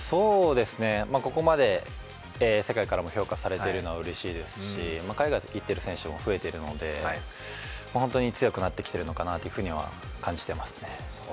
ここまで世界からも評価されているのはうれしいですし海外に行ってる選手も増えているのでホントに強くなってきてるのかなとは感じてますね。